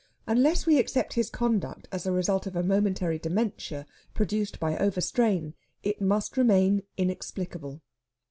Unless we accept his conduct as the result of a momentary dementia, produced by overstrain, it must remain inexplicable.